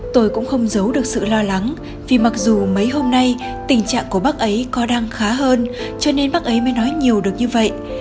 tôi cũng không giấu được sự lo lắng vì mặc dù mấy hôm nay tình trạng của bác ấy có đang khá hơn cho nên bác ấy mới nói nhiều được như vậy